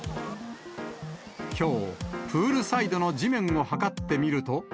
きょう、プールサイドの地面を測ってみると。